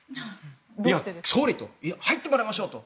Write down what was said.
いや、総理といや、入ってもらいましょうと。